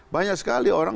banyak sekali orang